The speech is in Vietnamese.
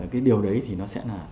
cái điều đấy thì nó sẽ là